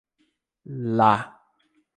Lá